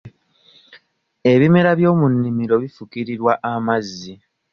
Ebimera by'omu nnimiro bufukirirwa amazzi